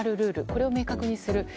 これを明確にする。